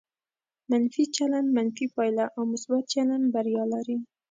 منفي چلند منفي پایله او مثبت چلند بریا لري.